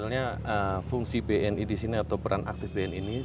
jadi sebenarnya fungsi bni di sini atau peran aktif bni ini